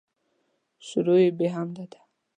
شروع یې په حمد ده.